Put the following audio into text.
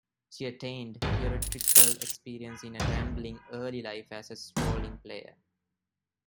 She attained theatrical experience in a rambling early life as a strolling player.